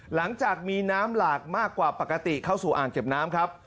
หลังจากมีน้ำหลากมากกว่าปกติเข้าสู่อ่างเก็บน้ำครับ